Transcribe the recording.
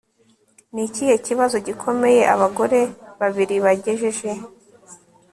Ni ikihe kibazo gikomeye abagore babiri bagejeje